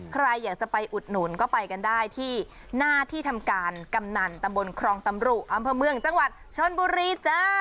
ใครอยากจะไปอุดหนุนก็ไปกันได้ที่หน้าที่ทำการกำนันตำบลครองตำรุอำเภอเมืองจังหวัดชนบุรีจ้า